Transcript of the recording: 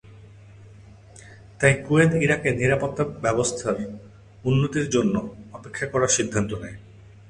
তাই কুয়েত, ইরাকের নিরাপত্তা অবস্থার উন্নতির জন্য অপেক্ষা করা সিদ্ধান্ত নেয়।